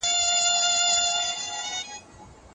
د کار ځواک روزنه د صنعت اړتیاوې بدلوي.